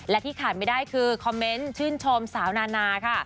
และที่ขาดไม่ได้คือคอมเมนต์ชื่นชมสาวนานาค่ะ